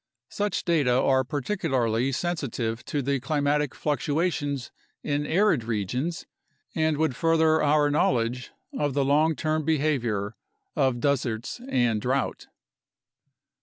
Such data are particularly sensitive to the climatic fluctuations in arid regions and would further our knowledge of the long term behavior of deserts and drought.